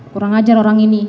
kurang ajar orang ini